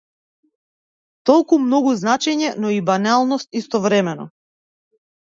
Толку многу значење, но и баналност истовремено.